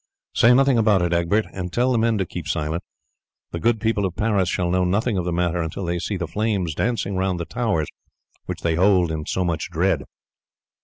Say nothing about it, Egbert, and tell the men to keep silent. The good people of Paris shall know nothing of the matter until they see the flames dancing round the towers which they hold in so much dread."